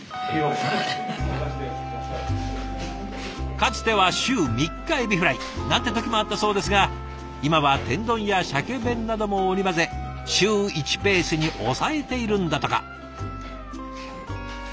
かつては週３日エビフライなんて時もあったそうですが今は天丼やシャケ弁なども織り交ぜ週１ペースに抑えているんだとか。